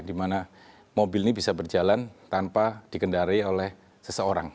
dimana mobil ini bisa berjalan tanpa dikendari oleh seseorang